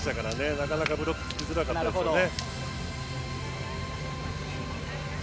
なかなかブロックしづらかったですよね。